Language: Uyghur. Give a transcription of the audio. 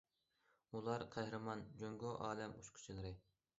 ئۇلار، قەھرىمان جۇڭگو ئالەم ئۇچقۇچىلىرى.